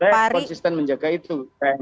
konsisten menjaga itu